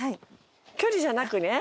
距離じゃなくね。